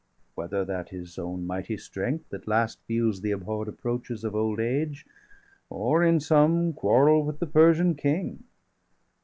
°82 Whether that his own mighty strength at last Feels the abhorr'd approaches of old age, Or in some quarrel° with the Persian King.